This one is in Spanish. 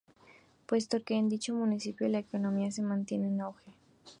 Puesto que, en dicho municipio la economía se mantiene en auge.